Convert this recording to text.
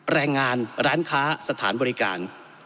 แรงงานร้านค้าสถานบริการ